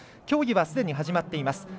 競技はすでに始まっています。